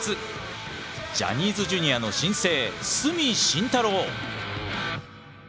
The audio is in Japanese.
ジャニーズＪｒ．の新星角紳太郎！